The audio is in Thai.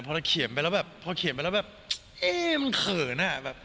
พอเขียนไปแล้วแบบเอ๊ะมันเขินอะ